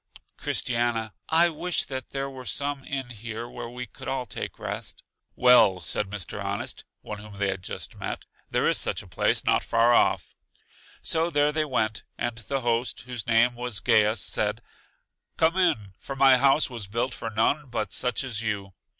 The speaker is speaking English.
Christiana: I wish that there were some inn here where we could all take rest. I Well, said Mr. Honest one whom they had just met there is such a place not far off. So there they went, and the host, whose name was Gaius, said: Come in, for my house was built for none but such as you.